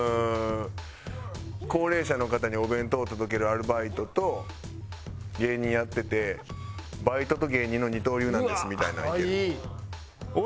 「高齢者の方にお弁当を届けるアルバイトと芸人やっててバイトと芸人の二刀流なんです」みたいなんいける？